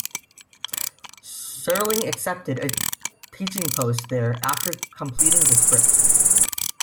Serling accepted a teaching post there after completing this script.